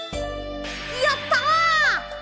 やった！